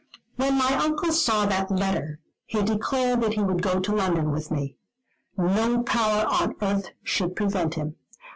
When my Uncle saw that letter, he declared that he would go to London with me. No power on earth should prevent him.